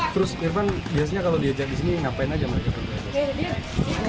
terus irfan biasanya kalau diajak di sini ngapain aja mereka ke lapangan